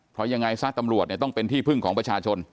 เพราะยังไงศาสตร์ตำรวจเนี่ยต้องเป็นที่พึ่งของประชาชน